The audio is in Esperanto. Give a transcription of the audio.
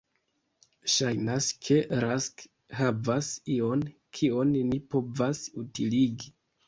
Ŝajnas ke Rask havas ion kion ni povas utiligi.